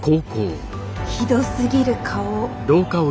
ひどすぎる顔。